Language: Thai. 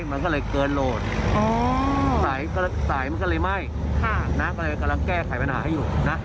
มันก็เลยเกินโหลดสายมันก็เลยไหม้ก็เลยกำลังแก้ไขปัญหาให้อยู่นะ